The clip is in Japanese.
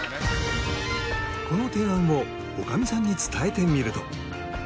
この提案を女将さんに伝えてみると。